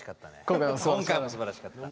今回もすばらしかった。